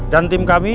dan tim kami